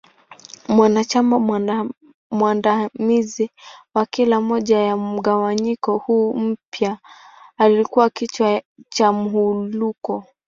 Mwanachama mwandamizi wa kila moja ya mgawanyiko huu mpya alikua kichwa cha Muwuluko.